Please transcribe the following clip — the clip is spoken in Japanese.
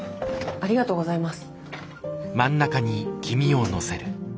ありがとうございます。